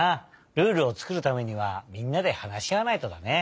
ルールをつくるためにはみんなではなしあわないとだね。